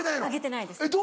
あげてないです。